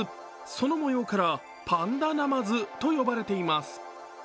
その模様からパンダナマズと呼ばれています。